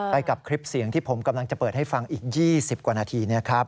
กับคลิปเสียงที่ผมกำลังจะเปิดให้ฟังอีก๒๐กว่านาที